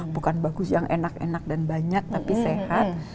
bukan bagus yang enak enak dan banyak tapi sehat